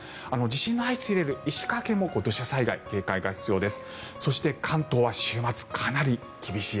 地震の相次いでいる石川県も土砂災害、警戒が必要です。